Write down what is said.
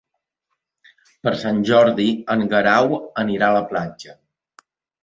Per Sant Jordi en Guerau anirà a la platja.